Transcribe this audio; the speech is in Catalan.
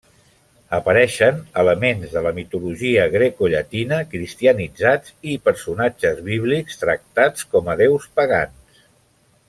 Apareixen elements de la mitologia grecollatina cristianitzats i personatges bíblics tractats com a déus pagans.